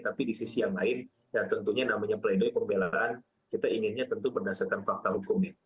tapi di sisi yang lain ya tentunya namanya pledoi pembelaan kita inginnya tentu berdasarkan fakta hukumnya